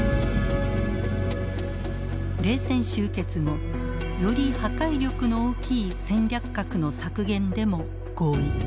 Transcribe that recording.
冷戦終結後より破壊力の大きい戦略核の削減でも合意。